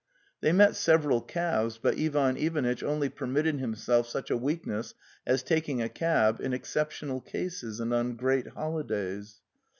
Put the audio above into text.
They met several cabs but feat Ivanitch only permitted himself such a weakness as taking a cab in exceptional cases and on great holidays.